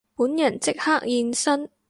本人即刻現身